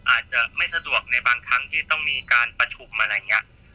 อาจจะไม่สะดวกในบางครั้งที่ต้องมีการประชุมอะไรอย่างนี้